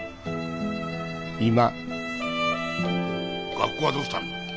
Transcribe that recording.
学校はどうしたんだ？